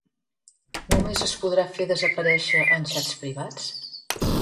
Només es podrà fer desaparèixer en xats privats?